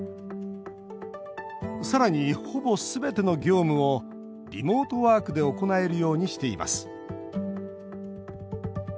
さらに、ほぼ全ての業務をリモートワークで行えるようにしています。